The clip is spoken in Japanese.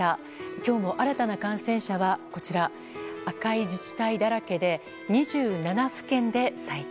今日も新たな感染者は赤い字だらけで２７府県で最多。